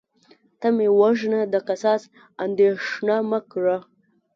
ته مې وژنه د قصاص اندیښنه مه کړه